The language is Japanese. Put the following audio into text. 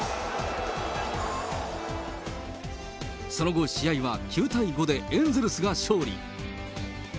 その後、試合は９対５でエンゼルスが勝利。